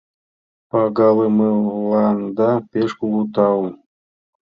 Пагалымыланда пеш кугу тау.